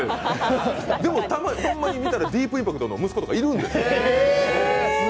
でも、ホンマに見たらディープインパクトの息子とかいるんですよ。